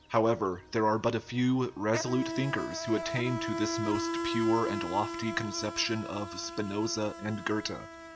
However, there are but a few resolute thinkers who attain to this most pure and lofty conception of Spinoza and Goethe.